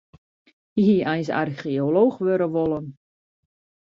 Hy hie eins archeolooch wurde wollen.